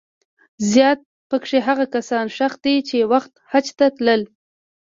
زیات په کې هغه کسان ښخ دي چې یو وخت حج ته تلل.